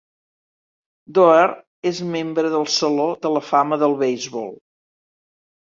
Doerr és membre del Saló de la Fama del Beisbol.